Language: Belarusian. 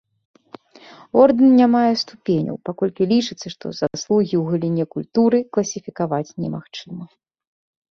Ордэн не мае ступеняў, паколькі лічыцца, што заслугі ў галіне культуры класіфікаваць немагчыма.